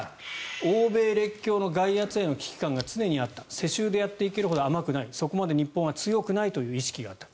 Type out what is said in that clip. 欧米列強の外圧への危機感が常にあった世襲でやっていけるほど甘くないそこまで日本は強くないという意識があった。